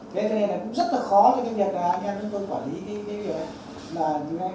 thế nên là cũng rất là khó cho cái việc là anh em của tôi quản lý cái việc ấy